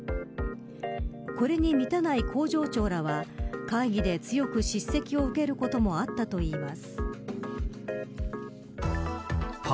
これに満たない工場長らは会議で強く叱責を受けることもあったといいます。